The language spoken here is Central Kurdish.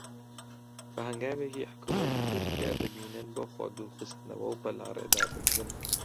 بە هەنگاوێکی حکوومەتی تورکیا دەبینن بۆ خۆدوورخستنەوە و بەلاڕێدابردن